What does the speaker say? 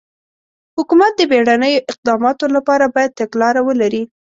حکومت د بېړنیو اقداماتو لپاره باید تګلاره ولري.